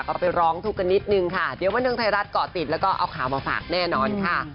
ก็ไปร้องทุกข์กันนิดนึงค่ะเดี๋ยวบันเทิงไทยรัฐเกาะติดแล้วก็เอาข่าวมาฝากแน่นอนค่ะ